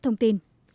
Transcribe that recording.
hẹn gặp lại